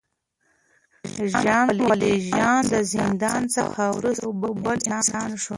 ژان والژان د زندان څخه وروسته یو بل انسان شو.